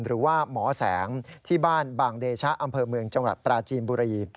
หรือว่าหมอแสงที่บ้านบางเดชะอำเภอเมืองจังหวัดปราจีนบุรี